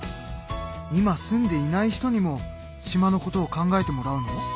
今住んでいない人にも島のことを考えてもらうの？